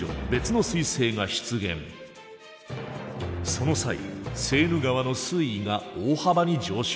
その際セーヌ川の水位が大幅に上昇。